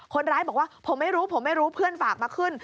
คนร้ายบอกว่าผมไม่รู้ผมไม่รู้เพื่อนฝากมาขึ้น